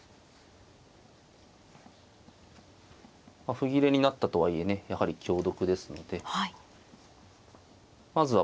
歩切れになったとはいえねやはり香得ですのでまずはポイントをね